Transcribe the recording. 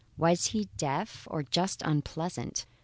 Was he deaf or just unpleasant?